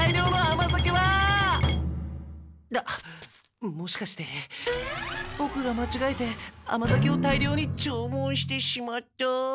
あっもしかしてボクがまちがえて甘酒を大量に注文してしまった？